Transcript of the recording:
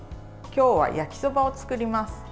今日は焼きそばを作ります。